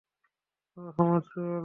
ওহ, আমার চুল!